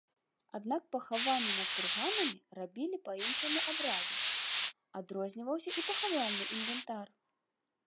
Аднак пахаванні над курганамі рабілі па іншаму абраду, адрозніваўся і пахавальны інвентар.